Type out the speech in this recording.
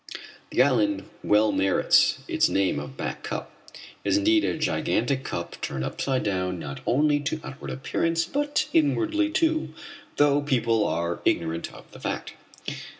The island well merits its name of Back Cup. It is indeed a gigantic cup turned upside down, not only to outward appearance, but inwardly, too, though people are ignorant of the fact.